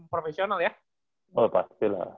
profesional ya oh pasti lah